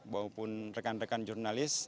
bahupun rekan rekan jurnalis